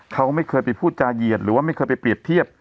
เขาไม่เคยไปพูดจาเหยียดหรือว่าไม่เคยไปเปรียบเทียบ